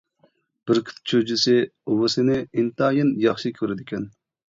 بۈركۈت چۈجىسى ئۇۋىسىنى ئىنتايىن ياخشى كۆرىدىكەن.